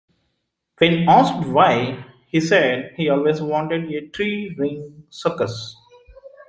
When asked why, he said he always wanted a "tree-ring circus".